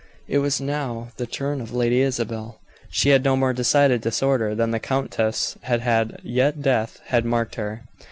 It was now the turn of Lady Isabel. She had no more decided disorder than the countess had had, yet death had marked her.